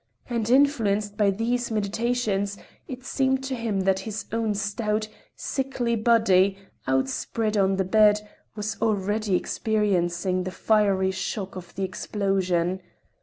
And influenced by these meditations, it seemed to him that his own stout, sickly body, outspread on the bed, was already experiencing the fiery shock of the explosion.